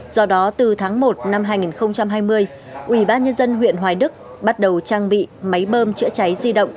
do đó từ tháng một năm hai nghìn hai mươi ubnd huyện hoài đức bắt đầu trang bị máy bơm chữa cháy di động